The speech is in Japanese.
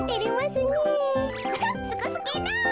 すごすぎる。